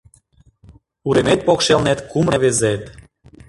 Уремет покшелнет кум рвезет